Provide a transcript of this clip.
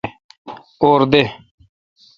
اور دہ۔